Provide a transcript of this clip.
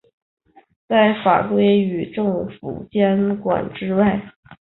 在法规与政府监管之外。